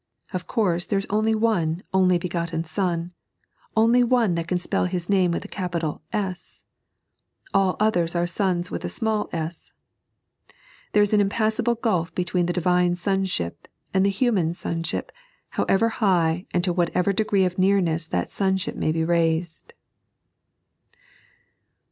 (Of course, there is only one Only Begotten Son — One only that can spell His name with a capital S. All others are sons with a small a. There is an impassable gulf between the Divine Sonship and the human souship, however high, and to whatever degree of nearness that sonship may be raised.)